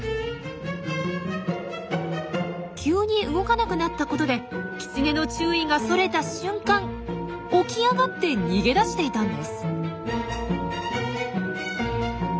急に動かなくなったことでキツネの注意がそれた瞬間起き上がって逃げ出していたんです。